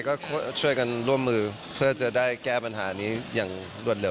ก็ช่วยกันร่วมมือเพื่อจะได้แก้ปัญหานี้อย่างรวดเร็